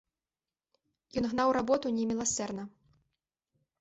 Ён гнаў работу неміласэрна.